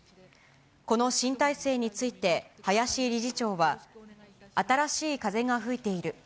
この新体制について、林理事長は、新しい風が吹いている。